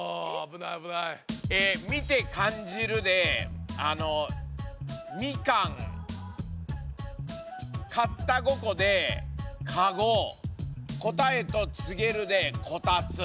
「見て感じる」で「みかん」「買った五こ」で「かご」「答えを告げる」で「こたつ」。